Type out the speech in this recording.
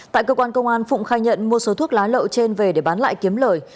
tại cơ quan công an phụng khai nhận mua số thuốc lá lậu trên về để bán lại kiếm lời